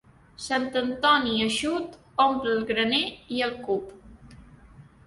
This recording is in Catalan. Sant Antoni eixut omple el graner i el cup.